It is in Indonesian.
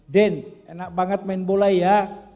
den enak banget main bola ya